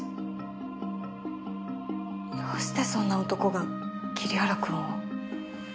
どうしてそんな男が桐原君を。